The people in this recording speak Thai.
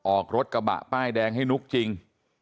ออกรถกระบะป้ายแดงให้นุ๊กจริง